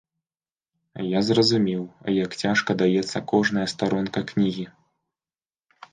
Я зразумеў, як цяжка даецца кожная старонка кнігі.